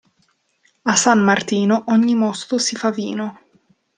A San Martino ogni mosto si fa vino.